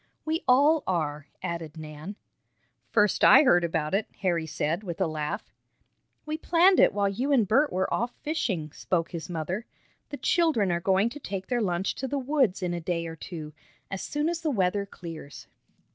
"We all are," added Nan. "First I heard about it," Harry said, with a laugh. "We planned it while you and Bert were off fishing," spoke his mother. "The children are going to take their lunch to the woods in a day or two, as soon as the weather clears."